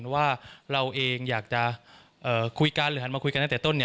ว่าเราเองอยากจะคุยกันหรือหันมาคุยกันตั้งแต่ต้น